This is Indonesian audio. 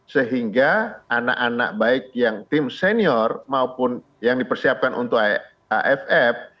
sehingga anak anak baik yang tim senior maupun yang dipersiapkan untuk aff